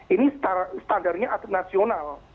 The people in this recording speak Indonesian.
ini standarnya atlet nasional